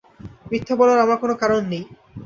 মিথ্যা বলার আমার কোনো কারণ নেই।